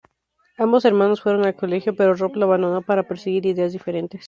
Ambos hermanos fueron al colegio, pero Rob lo abandonó para perseguir ideas diferentes.